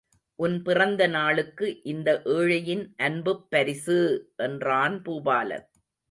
உன் பிறந்த நாளுக்கு இந்த ஏழையின் அன்புப்பரிசு! என்றான் பூபாலன்.